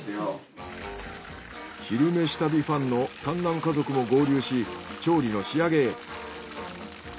「昼めし旅」ファンの三男家族も合流し調理の仕上げへ。